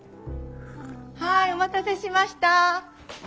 はいお待たせしました。